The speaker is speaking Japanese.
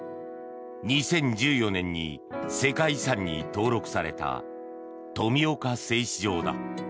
２０１４年に、世界遺産に登録された富岡製糸場だ。